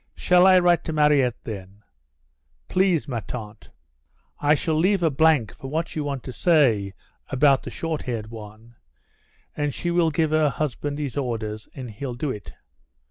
"Shall I write to Mariette, then?" "Please, ma tante." "I shall leave a blank for what you want to say about the short haired one, and she will give her husband his orders, and he'll do it.